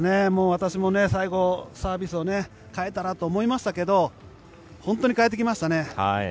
私も最後、サービスを変えたなと思いましたけど本当に変えてきましたね。